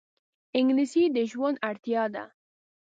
انګلیسي د ژوند اړتیا ده